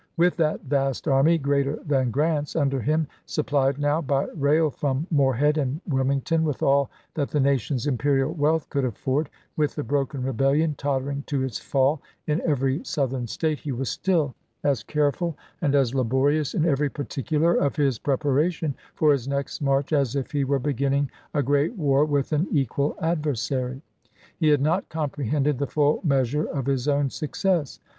With that vast army, greater than Grant's, under him, supplied now by rail from Morehead and Wilming ton with all that the nation's imperial wealth could afford, with the broken rebellion tottering to its fall in every Southern State, he was still as careful and as laborious in every particular of his prepara tion for his next march as if he were beginning a great war with an equal adversary. He had not comprehended the full measure of his own success.